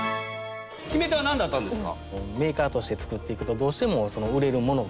決め手は何だったんですか？